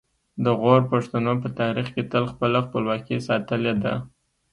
د غور پښتنو په تاریخ کې تل خپله خپلواکي ساتلې ده